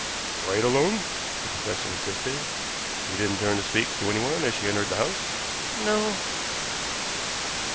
"Quite alone?" the professor insisted. "She didn't turn to speak to anyone as she entered the house?" "No."